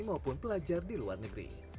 maupun pelajar di luar negeri